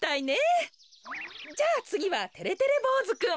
じゃあつぎはてれてれぼうずくん。